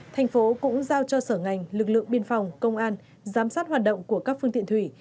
thành phố cũng giao cho sở ngành lực lượng biên phòng công an giám sát hoạt động của các phương tiện thủy